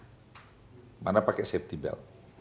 semua pakai safety belt